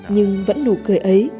nhưng vẫn nụ cười ấy